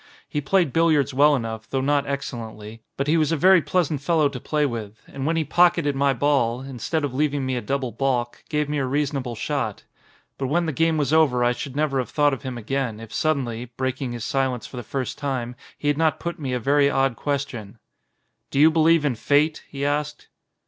He played billiards well enough, though not excellently, but he was a very pleasant fellow to play with; and when he pock eted my ball, instead of leaving me a double balk, gave me a reasonable shot. But when the game was over I should never have thought of him again, if suddenly, breaking his silence for the first time, he had not put me a very odd question. "Do you believe in fate?" he asked.